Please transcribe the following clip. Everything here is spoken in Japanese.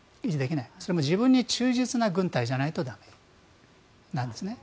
それも自分に忠実な軍隊じゃないと駄目なんですね。